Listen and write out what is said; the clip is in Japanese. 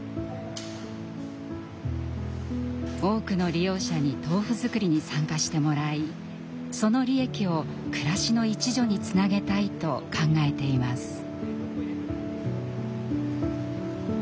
多くの利用者に豆腐づくりに参加してもらいその利益を暮らしの一助につなげたいと考えています。